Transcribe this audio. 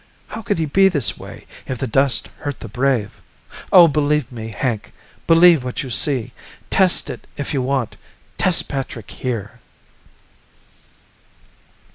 How could he be this way, if the dust hurt the brave? Oh, believe me, Hank! Believe what you see. Test it if you want. Test Patrick here."